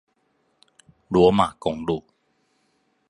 羅馬公路